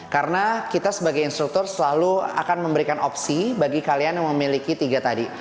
karena kita sebagai instruktur selalu akan memberikan opsi bagi kalian yang memiliki tiga tadi